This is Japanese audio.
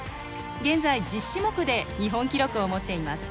現在１０種目で日本記録を持っています。